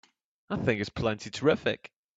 I think it's plenty terrific!